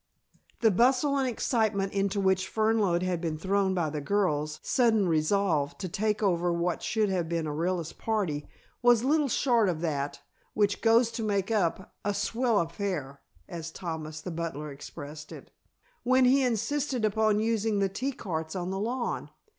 The bustle and excitement into which Fernlode had been thrown by the girls' sudden resolve, to take over what should have been Orilla's party, was little short of that which goes to make up "a swell affair," as Thomas the butler expressed it, when he insisted upon using the tea carts on the lawn.